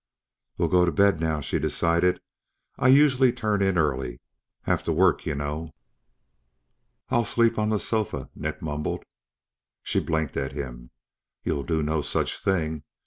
"We'll go to bed now," she decided. "I usually turn in early. Have to work, you know." "I'll sleep on the sofa," Nick mumbled. She blinked at him. "You'll do no such thing.